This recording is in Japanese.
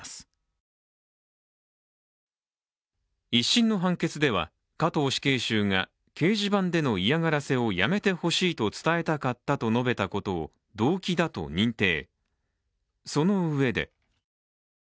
１審の判決では、加藤死刑囚が掲示板での嫌がらせをやめてほしいと伝えたかったと述べたことを動機だと認定。